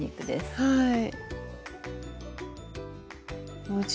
はい。